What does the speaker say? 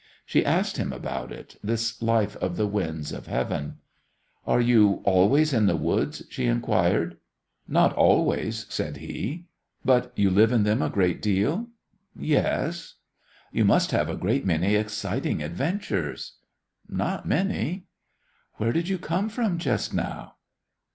She asked him about it, this life of the winds of heaven. "Are you always in the woods?" she inquired. "Not always," said he. "But you live in them a great deal?" "Yes." "You must have a great many exciting adventures." "Not many." "Where did you come from just now?"